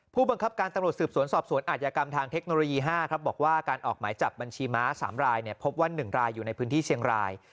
ผู้บังคับการตำรวจสืบสวนสอบสวนอาจยากรรมทางเทคโนโลยี๕บอกว่าการออกหมายจับบัญชีม้า๓รายพบว่า๑รายอยู่ในพื้นที่เชียงราย